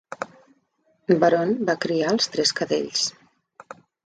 Baron va criar els tres cadells.